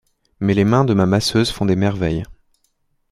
Mais les mains de ma masseuse font des merveilles.